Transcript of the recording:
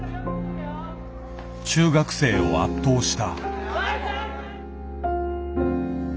中学生を圧倒した。